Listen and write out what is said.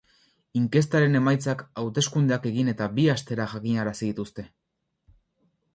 Inkestaren emaitzak hauteskundeak egin eta bi astera jakinarazi dituzte.